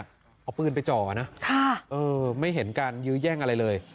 เอาปืนไปจ่อนะไม่เห็นการยื้อแย่งอะไรเลย